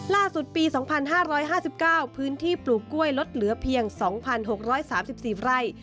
ล่าสุดปี๒๕๕๙พื้นที่ปลูกกล้วยลดเหลือเพียง๒๖๓๔ไร่